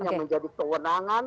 yang menjadi kewenangan